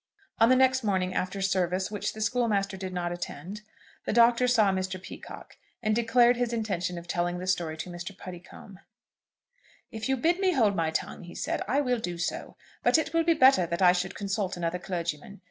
On the next morning, after service, which the schoolmaster did not attend, the Doctor saw Mr. Peacocke, and declared his intention of telling the story to Mr. Puddicombe. "If you bid me hold my tongue," he said, "I will do so. But it will be better that I should consult another clergyman.